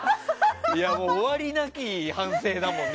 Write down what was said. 終わりなき反省だもんね。